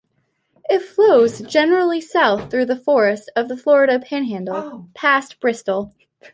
It flows generally south through the forests of the Florida Panhandle, past Bristol.